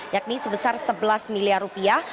yakni sebesar sebelas miliar rupiah